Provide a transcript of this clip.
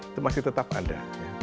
itu masih tetap ada